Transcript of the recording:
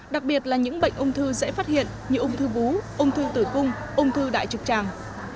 đặc biệt là những bệnh ung thư dễ phát hiện như ung thư vú ung thư tử cung ung thư đại trực tràng